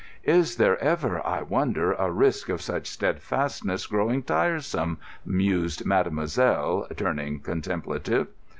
"Is there ever, I wonder, a risk of such steadfastness growing tiresome?" mused mademoiselle, turning contemplative.